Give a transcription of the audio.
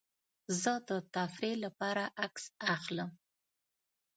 زه د تفریح لپاره عکس اخلم.